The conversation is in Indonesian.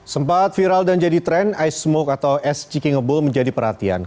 sempat viral dan jadi tren ice smoke atau es cikingebul menjadi perhatiannya